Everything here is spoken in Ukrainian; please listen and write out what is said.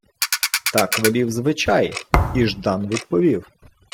Так велів звичай, і Ждан відповів: